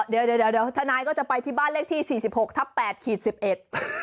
เดี๋ยวทนายก็จะไปที่บ้านเลขที่๔๖ทับ๘ขีด๑๑